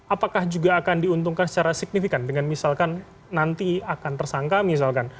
apakah juga akan diuntungkan secara signifikan dengan misalkan nanti akan tersangka misalkan